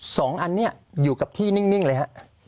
สองอันนี้อยู่กับที่นิ่งเลยฮะ